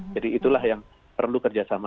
jadi itulah yang perlu kerjasama